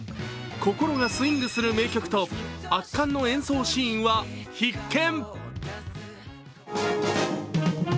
心がスイングする名曲と圧巻の演奏シーンは必見！